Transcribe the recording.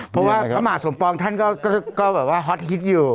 เพราะว่าพระมหาสมปองก็ฮอตฮิตอยู่